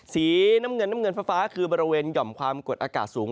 สีน้ำเงินน้ำเงินฟ้าคือบริเวณหย่อมความกดอากาศสูง